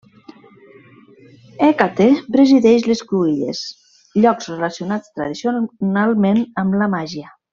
Hècate presideix les cruïlles, llocs relacionats tradicionalment amb la màgia.